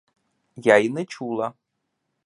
Я й не чула.